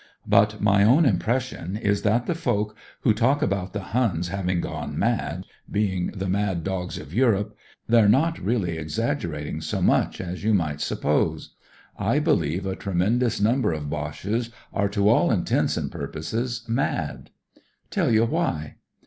But my own impres sion is that the folk who talk about the Huns having gene mad — ^being the mad dogs of Europe — ^they're not really ex aggerating so much as you might sup pose. I believe a tremendous number of Boches are to all intents and purposes mad. Tell you why.